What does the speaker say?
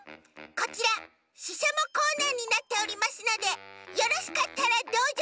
こちらししゃもコーナーになっておりますのでよろしかったらどうぞ。